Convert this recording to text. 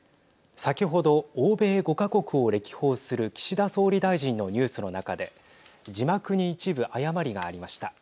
先ほど欧米５か国を歴訪する岸田総理大臣のニュースの中で字幕に一部、誤りがありました。